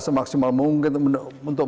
semaksimal mungkin untuk